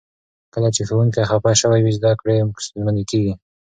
کله چې ښوونکي خفه شوي وي، زده کړې ستونزمنې کیږي.